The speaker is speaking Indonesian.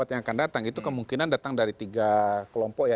dua ribu dua puluh empat yang akan datang itu kemungkinan datang dari tiga kelompok ya